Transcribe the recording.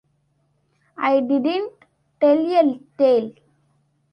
I didn’t tell a tale.